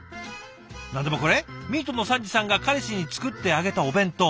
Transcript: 何でもこれミートの３時さんが彼氏に作ってあげたお弁当。